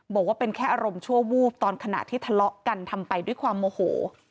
บอกว่าเป็นแค่อารมณ์ชั่ววูบตอนขณะที่ทะเลาะกันทำไปด้วยความโมโห